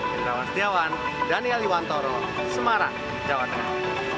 dengan rawas diawan daniel iwantoro semarang jawa tengah